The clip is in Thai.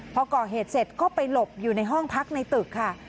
พอก่อเหตุเสร็จก็ไปหลบอยู่ในห้องพักในตึกค่ะ